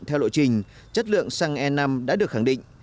theo lộ trình chất lượng xăng e năm đã được khẳng định